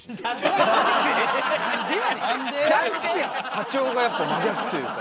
波長がやっぱ真逆というか。